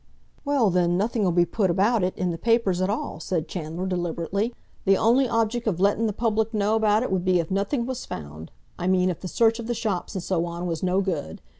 "Well, then, nothing'll be put about it in the papers at all," said Chandler deliberately. "The only objec' of letting the public know about it would be if nothink was found—I mean if the search of the shops, and so on, was no good.